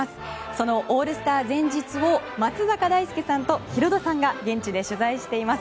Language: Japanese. そのオールスター前日を松坂大輔さんとヒロドさんが現地で取材しています。